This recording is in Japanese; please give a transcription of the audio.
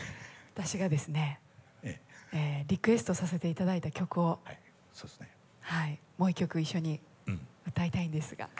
私がですねリクエストさせて頂いた曲をもう１曲一緒に歌いたいんですが。